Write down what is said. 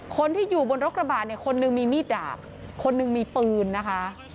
คนที่อยู่บนรถกระบาดเนี่ยคนหนึ่งมีมีดดาบคนหนึ่งมีปืนนะคะ